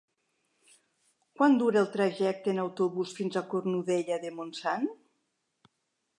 Quant dura el trajecte en autobús fins a Cornudella de Montsant?